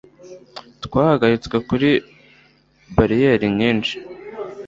twahagaritswe kuri bariyeri nyinshi